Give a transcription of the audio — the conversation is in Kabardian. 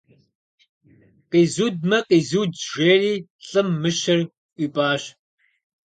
Къизудмэ, къизудщ, - жери лӏым мыщэр ӏуипӏащ.